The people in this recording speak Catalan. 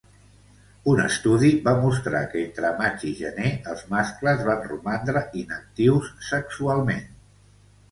Un estudi va mostrar que entre maig i gener, els mascles van romandre inactius sexualment.